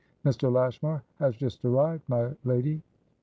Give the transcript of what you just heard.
"Mr. Lashmar has just arrived, my lady."